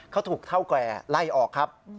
เขาถูกเท่าแก่ไล่ออกครับ